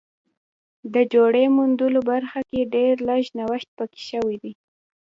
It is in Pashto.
د جوړې موندلو برخه کې ډېر لږ نوښت پکې شوی دی